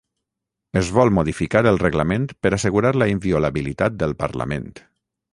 Es vol modificar el reglament per assegurar la inviolabilitat del parlament